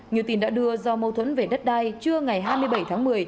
như tin đã đưa do mâu thuẫn về đất đai trưa ngày hai mươi bảy tháng một mươi